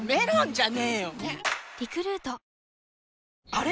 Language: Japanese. あれ？